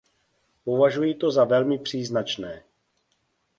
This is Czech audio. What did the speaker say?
Považuji to za velmi příznačné.